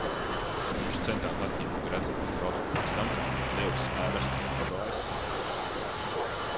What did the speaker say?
Viņš centās atņemt Gredzenu Frodo pēc tam, kad viņš deva zvērestu Frodo aizsargāt!